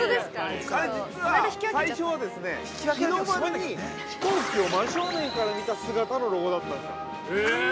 あれ実は、最初は日の丸に飛行機を真正面から見た姿のロゴだったんですよ。